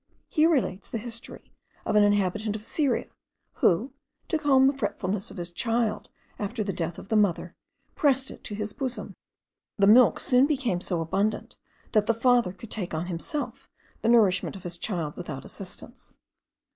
He relates the history of an inhabitant of Syria, who, to calm the fretfulness of his child, after the death of the mother, pressed it to his bosom. The milk soon became so abundant, that the father could take on himself the nourishment of his child without assistance.